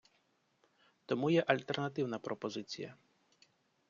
Тому є альтернативна пропозиція.